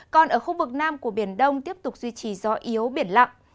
còn ở khu vực nam của biển đông tiếp tục duy trì gió yếu biển lặng